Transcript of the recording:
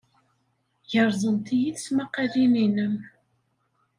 Gerẓent-iyi tesmaqqalin-nnem.